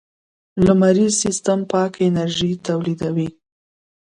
لمریز سیستم پاک انرژي تولیدوي.